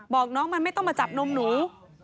บอกน้องมันไม่ต้องมาจับนมหนู